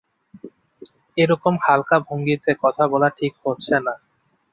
এ রকম হালকা ভঙ্গিতে কথা বলা ঠিক হচ্ছে না।